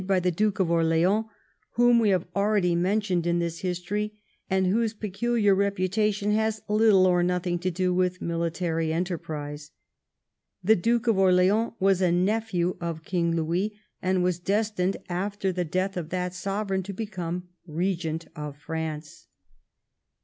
by the Duke of Orleans, whom we have already mentioned in this history, and whose peculiar repu tation has little or nothing to do with military enterprise. The Duke of Orleans was a nephew of King Louis, and was destined after the death of that Sovereign to become Eegent of France.